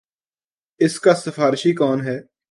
اس کا سفارشی کون ہے۔